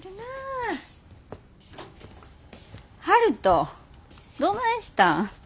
悠人どないしたん。